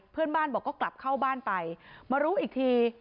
เพื่อนบ้านบอกก็กลับเข้าบ้านไปมารู้อีกที